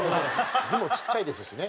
字もちっちゃいですしね。